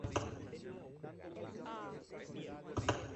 Estas configuraciones pueden afectar la auto-detección y opciones de hardware.